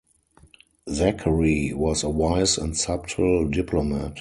Zachary was a wise and subtle diplomat.